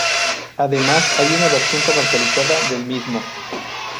Además hay una versión comercializada del mismo.